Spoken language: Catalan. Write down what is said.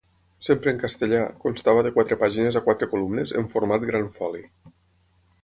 Sempre en castellà, constava de quatre pàgines a quatre columnes, en format gran foli.